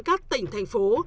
các tỉnh thành phố